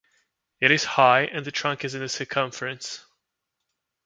It is high, and the trunk is in circumference.